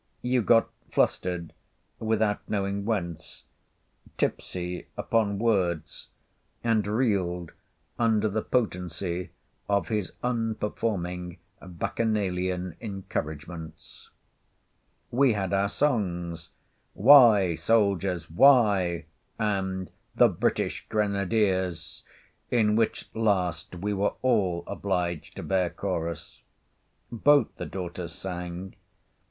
You got flustered, without knowing whence; tipsy upon words; and reeled under the potency of his unperforming Bacchanalian encouragements. We had our songs—"Why, Soldiers, Why"—and the "British Grenadiers"—in which last we were all obliged to bear chorus. Both the daughters sang.